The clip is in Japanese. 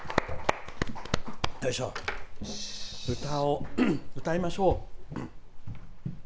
歌を歌いましょう。